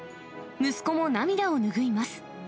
息子も涙を拭います。